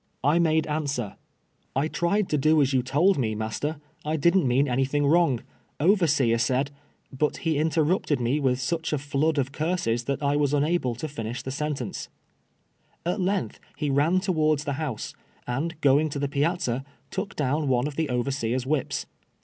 I made answer :" I tried to do as you told me, 110 » TWELVE YEAKS A SLAVE. master. I didn't lucan anythiuf^ wrongs. Overseer said —'' ])ut he interriii)ted nie witli such a flood of cui ses tliat I was unable to liuisli the senteuce. At length lie I'au towards the house, and going to the piazza, took down one of the overseer's whips.